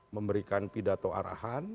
memberikan pidato arahan